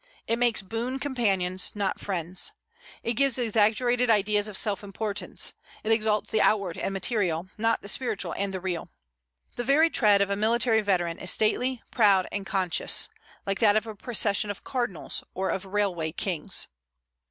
It makes boon companions, not friends. It gives exaggerated ideas of self importance. It exalts the outward and material, not the spiritual and the real. The very tread of a military veteran is stately, proud, and conscious, like that of a procession of cardinals, or of railway kings.